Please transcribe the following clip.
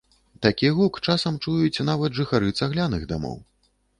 Такі гук часам чуюць нават жыхары цагляных дамоў.